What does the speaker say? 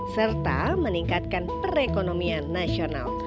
serta meningkatkan perekonomian nasional